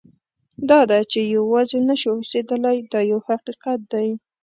دا ده چې یوازې نه شو اوسېدلی دا یو حقیقت دی.